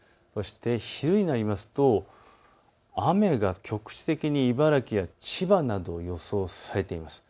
昼になると雨が局地的に茨城や千葉など予想されています。